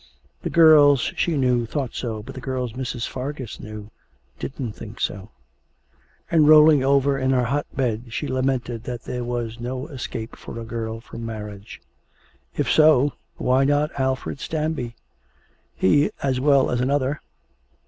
The girls she knew thought so, but the girls Mrs. Fargus knew didn't think so. And rolling over in her hot bed she lamented that there was no escape for a girl from marriage. If so, why not Alfred Stanby he as well as another?